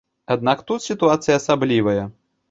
Аднак тут сітуацыя асаблівая.